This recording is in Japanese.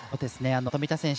富田選手